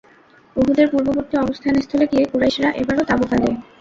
উহুদের পূর্ববর্তী অবস্থান স্থলে গিয়ে কুরাইশরা এবারও তাঁবু ফেলে।